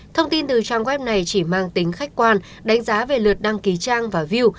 thông tin từ trang web này chỉ mang tính khách quan đánh giá về lượt đăng ký trang và view